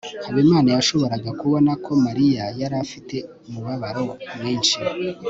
habimana yashoboraga kubona ko mariya yari afite umubabaro mwinshi